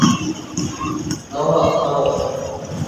মহা, থামো!